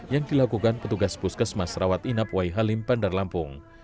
yang dilakukan petugas puskesmas rawat inap wai halim bandar lampung